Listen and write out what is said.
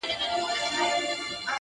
نه رڼا راته خوند راکوي، نه شور